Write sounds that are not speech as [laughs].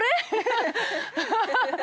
ハハハ [laughs]